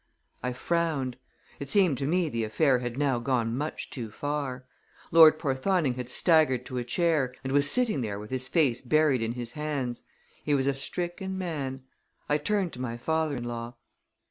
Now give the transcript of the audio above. I frowned. It seemed to me the affair had now gone much too far. Lord Porthoning had staggered to a chair and was sitting there with his face buried in his hands. He was a stricken man. I turned to my father in law.